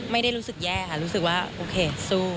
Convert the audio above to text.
ไม่ได้รู้สึกแย่ค่ะรู้สึกว่าโอเคสู้